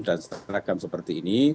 dan seteragam seperti ini